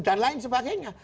dan lain sebagainya